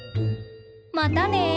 またね！